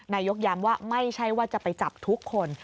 นายกย้ำว่าไม่ใช่ว่าจะไปจับทุกคน